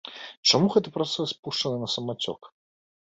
Чаму гэты працэс пушчаны на самацёк?